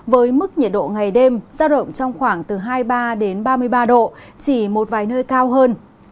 với mức nhiệt độ ngày đêm giao động trong khoảng từ hai mươi ba đến ba mươi ba độ chỉ một vài nơi cao hơn